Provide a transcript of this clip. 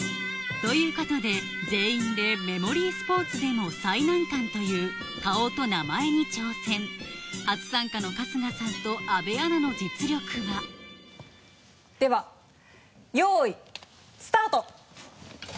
ということで全員でメモリースポーツでも最難関という「顔と名前」に挑戦初参加の春日さんと阿部アナの実力は？ではよいスタート！